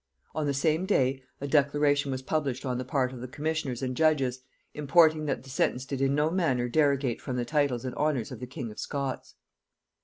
On the same day a declaration was published on the part of the commissioners and judges, importing, that the sentence did in no manner derogate from the titles and honors of the king of Scots.